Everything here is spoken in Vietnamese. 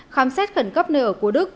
khám xét khẩn cấp nơi ở của đức